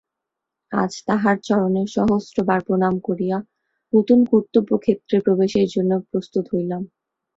আজ তাঁহার চরণে সহস্রবার প্রণাম করিয়া নূতন কর্তব্যক্ষেত্রে প্রবেশের জন্য প্রস্তুত হইলাম।